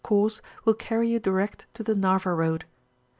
course will carry you direct to Narva Road.